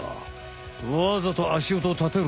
わざと足音を立てる。